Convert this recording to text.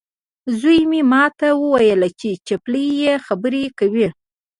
زوی مې ماته وویل چې چپلۍ یې خبرې کوي.